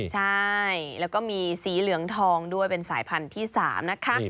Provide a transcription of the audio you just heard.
ใช่แล้วก็มีสีเหลืองทองด้วยเป็นสายพันธุ์ที่๓นะคะ